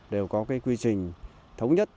đều có quy trình thống nhất